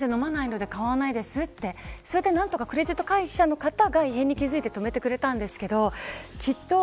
全然飲まないので買わないですと何とか、クレジット会社の方が異変に気付いて止めてくれましたけど。